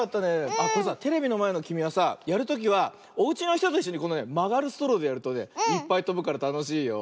あっこれさテレビのまえのきみはさやるときはおうちのひとといっしょにこのねまがるストローでやるとねいっぱいとぶからたのしいよ。